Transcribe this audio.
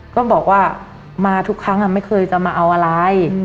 ก็บอกว่ามาทุกครั้งไม่เคยจะมาเอาอะไร